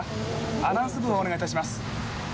アナウンス部をお願いいたします。